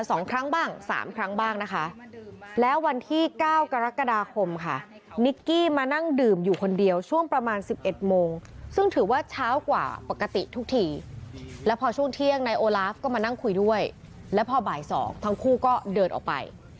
โอลาฟก็มานั่งคุยด้วยแล้วพอบ่ายสองทั้งคู่ก็เดินออกไป